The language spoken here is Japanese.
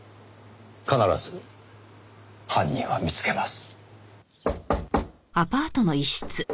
必ず犯人は見つけます。